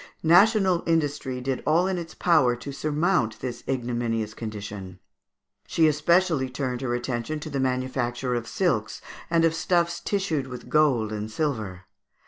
National industry did all in its power to surmount this ignominious condition; she specially turned her attention to the manufacture of silks and of stuffs tissued with gold and silver.